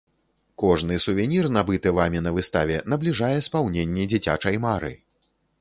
Кожны сувенір, набыты вамі на выставе, набліжае спаўненне дзіцячай мары!